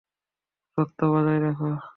দূরত্ব বজায় রাখ।